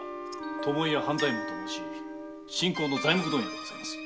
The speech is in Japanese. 巴屋半左衛門と申し新興の材木問屋にございます。